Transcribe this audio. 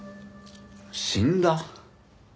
死んだ？